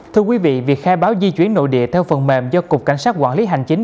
thưa quý vị việc khai báo di chuyển nội địa theo phần mềm do cục cảnh sát quản lý hành chính